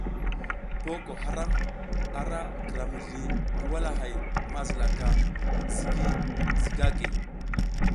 Boko haram ara gira mizli ngi walahay mazilaka ZIGI ZIGAGUE.